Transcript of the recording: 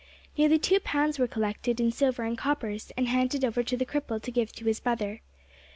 Nearly two pounds were collected in silver and coppers, and handed over to the cripple to give to his brother.